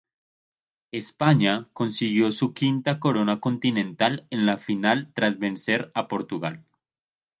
España consiguió su quinta corona continental en la final tras vencer a Portugal.